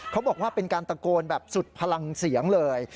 เขาบอกว่าเป็นการตะโกนแบบสุดพลังเสียงเลย